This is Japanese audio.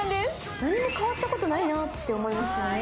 何も変わったところないなって思いますよね？